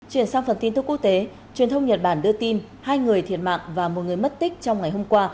chuyển sang phần tin tức quốc tế truyền thông nhật bản đưa tin hai người thiệt mạng và một người mất tích trong ngày hôm qua